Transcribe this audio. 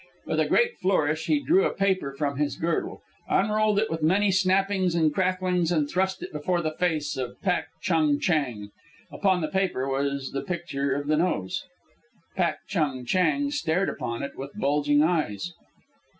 With a great flourish he drew a paper from his girdle, unrolled it with many snappings and cracklings, and thrust it before the face of Pak Chung Chang. Upon the paper was the picture of the nose. Pak Chung Chang stared upon it with bulging eyes.